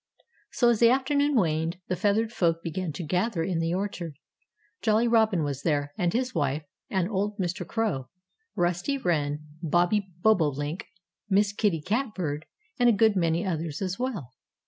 So, as the afternoon waned, the feathered folk began to gather in the orchard. Jolly Robin was there, and his wife, and old Mr. Crow, Rusty Wren, Bobbie Bobolink, Miss Kitty Catbird, and a good many others as well.